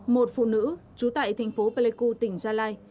một phụ nữ trú tại thành phố pleiku tỉnh gia lai